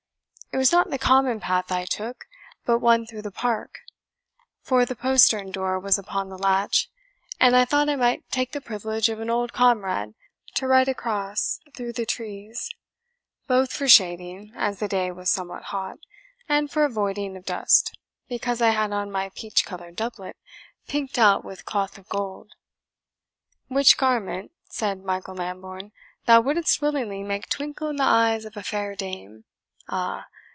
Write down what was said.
It was not the common path I took, but one through the Park; for the postern door was upon the latch, and I thought I might take the privilege of an old comrade to ride across through the trees, both for shading, as the day was somewhat hot, and for avoiding of dust, because I had on my peach coloured doublet, pinked out with cloth of gold." "Which garment," said Michael Lambourne, "thou wouldst willingly make twinkle in the eyes of a fair dame. Ah!